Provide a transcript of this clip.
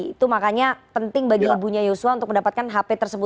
itu makanya penting bagi ibunya yosua untuk mendapatkan hp tersebut